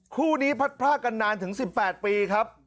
คู่นี้พัดพรากกันนานถึง๑๘ปีครับ